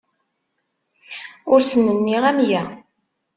Ur asen-nniɣ amya.